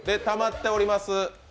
たまっております。